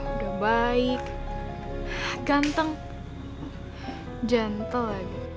udah baik ganteng jentel lagi